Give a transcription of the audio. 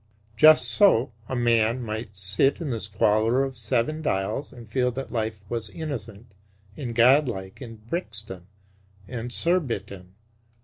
Just so a man might sit in the squalor of Seven Dials and feel that life was innocent and godlike in Brixton and Surbiton.